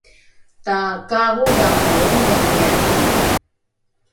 takaarodhange omiamia ’ina